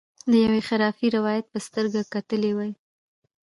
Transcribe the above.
د یوه خرافي روایت په سترګه کتلي وای.